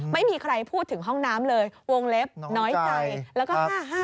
ไม่มีใครพูดถึงห้องน้ำเลยวงเล็บน้อยใจแล้วก็๕๕